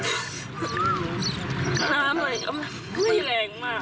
น้ำอ่ะไม่แรงมาก